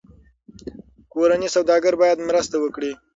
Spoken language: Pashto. کورني سوداګر باید مرسته وکړي.